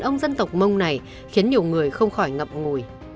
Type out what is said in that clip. nhưng ông dân tộc mông này khiến nhiều người không khỏi ngập ngùi